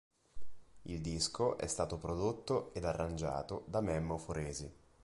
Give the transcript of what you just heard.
Il disco è stato prodotto ed arrangiato da Memmo Foresi.